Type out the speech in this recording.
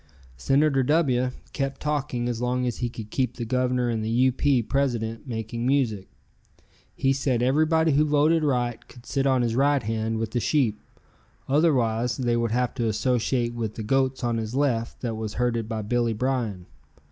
Senator W kept talking as long as he could keep the Governor and the U. P. president making music. He said everybody who voted right could sit on his right hand with the sheep, otherwise they would have to associate with the goats on his left that was herded by Billy Bryan.